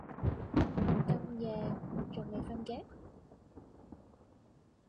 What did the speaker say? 咁夜仲未訓嘅？